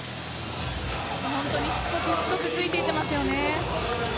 しつこくしつこくついていっていますよね。